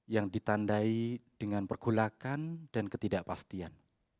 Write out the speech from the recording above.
yang ditandai dengan pergolakan dan ketidakpastian